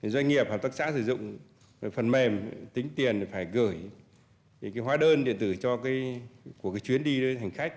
doanh nghiệp hợp tác xã sử dụng phần mềm tính tiền phải gửi hóa đơn điện tử của chuyến đi đến hành khách